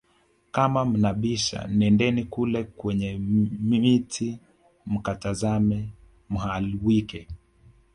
Kama mnabisha nendeni kule kwenye miti mkamtazame Mhalwike